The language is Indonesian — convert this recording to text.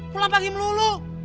pulang pagi melulu